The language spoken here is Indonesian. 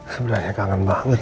sebenarnya kangen banget ya